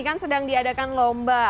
kan sedang diadakan lomba